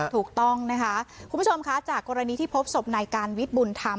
ถูกต้องนะคะคุณผู้ชมคะจากกรณีที่พบศพนายการวิทย์บุญธรรม